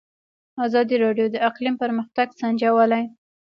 ازادي راډیو د اقلیم پرمختګ سنجولی.